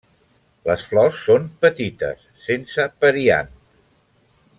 Les flors són petites, sense periant.